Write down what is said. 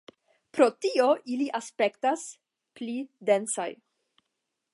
Pro tio ili aspektas "pli densaj".